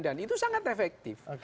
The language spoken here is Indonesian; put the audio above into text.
dan itu sangat efektif